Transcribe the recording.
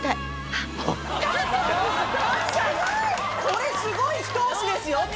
これすごいひと押しですよ！